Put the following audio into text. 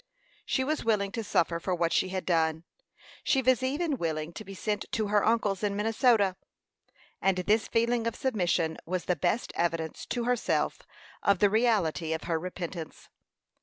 She was willing to suffer for what she had done; she was even willing to be sent to her uncle's in Minnesota; and this feeling of submission was the best evidence to herself of the reality of her repentance.